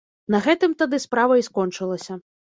На гэтым тады справа і скончылася.